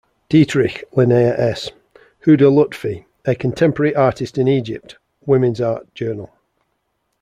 Dietrich, Linnea S. "Huda Lutfi: A Contemporary Artist in Egypt" Women's Art Journal.